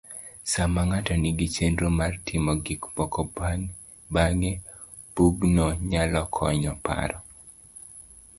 Sama ng'ato nigi chenro mar timo gikmoko bang`e,bugno nyalo konye paro.